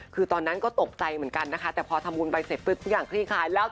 คือตอนนั้นก็ตกใจเหมือนกันนะคะ